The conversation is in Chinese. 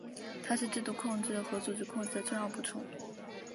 它是制度控制和组织控制的重要补充。